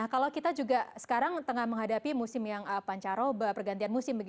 kalau kita juga sekarang tengah menghadapi musim yang pancaroba pergantian musim